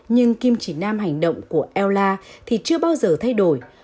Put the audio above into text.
nhưng kim chỉ nam hành động của ella thì chưa bao giờ thay đổi